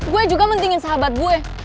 gue juga mendingin sahabat gue